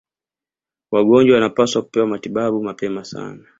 Wagonjwa wanapaswa kupewa matibabu mapema sana